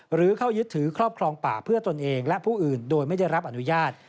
หรือเข้ายึดถือครอบครองป่าเพื่อตนเองและผู้อื่นโดยไม่ได้รับอนุญาต